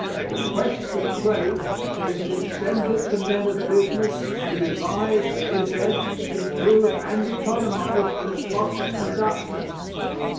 The quest for trade is an incentive to men of business to devise, invent, improve and economize in the cost of production.